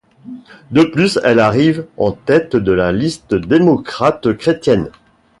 De plus, elle arrive en tête de la liste démocrate-chrétienne.